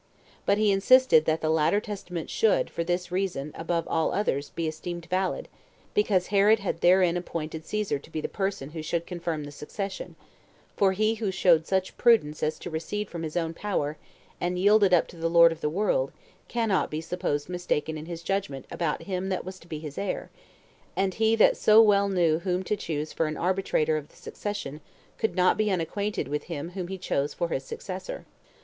But he insisted that the latter testament should, for this reason, above all others, be esteemed valid, because Herod had therein appointed Caesar to be the person who should confirm the succession; for he who showed such prudence as to recede from his own power, and yield it up to the lord of the world, cannot be supposed mistaken in his judgment about him that was to be his heir; and he that so well knew whom to choose for arbitrator of the succession could not be unacquainted with him whom he chose for his successor.